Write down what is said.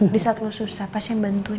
di saat lo susah pas yang berhubungan